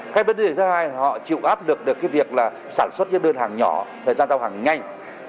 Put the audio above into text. thứ hai họ chịu áp lực được việc sản xuất những đơn hàng nhỏ thời gian tạo hàng nhanh